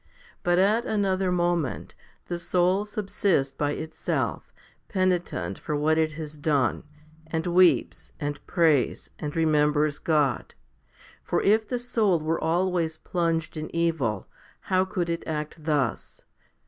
1 But at another moment the soul subsists by itself, penitent for what it has done, and weeps and prays, and remembers God. For if the soul were always plunged in evil, how could it act thus